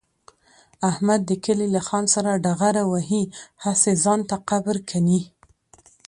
احمد د کلي له خان سره ډغره وهي، هسې ځان ته قبر کني.